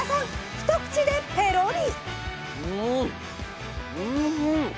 一口でペロリ。